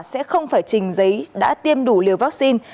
sẽ không phải trình giấy đã tiêm đủ liều vaccine